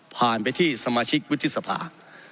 ผ่านไปที่สมาชิกวิทธิสภา